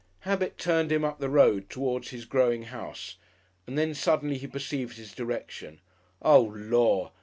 Habit turned him up the road towards his growing house, and then suddenly he perceived his direction "Oh, Lor'!"